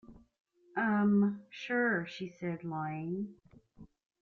Um... sure, she said, lying.